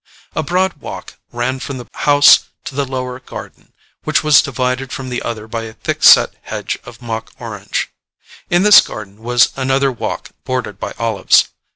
A broad walk ran from the house to the lower garden, which was divided from the other by a thick set hedge of mock orange: in this garden was another walk bordered by olives.